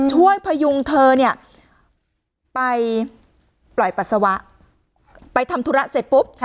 พยุงเธอเนี่ยไปปล่อยปัสสาวะไปทำธุระเสร็จปุ๊บ